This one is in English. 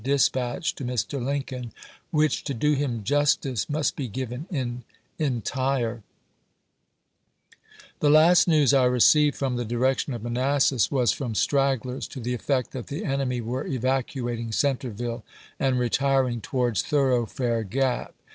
1862. dispatch to Mr, Lincoln, which, to do him justice, must be given entire: The last news I received from the direction of Manas sas was from stragglers, to the effect that the enemy were evacuating Centreville and retiring towards Thorough fare Gap.